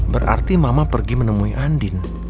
berarti mama pergi menemui andin